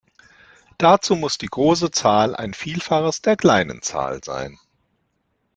Dazu muss die große Zahl ein Vielfaches der kleinen Zahl sein.